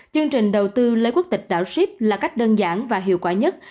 chương trình đầu tư lấy quốc tịch đảo sip là cách đơn giản và hiệu quả nhất